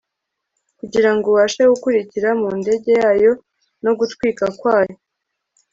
kugirango ubashe gukurikira mu ndege yayo no gutwika kwayo